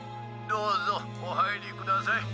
「どうぞおはいりください」。